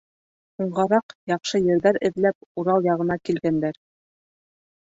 Һуңғараҡ, яҡшы ерҙәр эҙләп, Урал яғына килгәндәр.